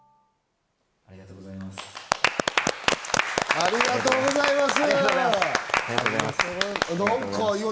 ありがとうございます。